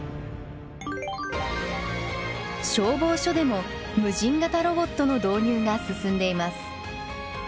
消防署でも無人型ロボットの導入が進んでいます。